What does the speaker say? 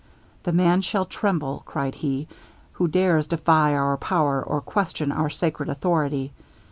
'The man shall tremble,' cried he, 'who dares defy our power, or question our sacred authority.